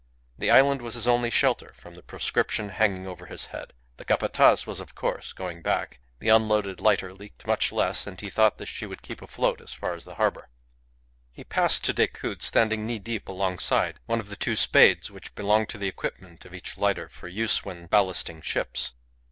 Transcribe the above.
The island was his only shelter from the proscription hanging over his head. The Capataz was, of course, going back. The unloaded lighter leaked much less, and he thought that she would keep afloat as far as the harbour. He passed to Decoud, standing knee deep alongside, one of the two spades which belonged to the equipment of each lighter for use when ballasting ships.